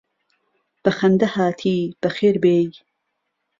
بە خەندە هاتی بەخێر بێی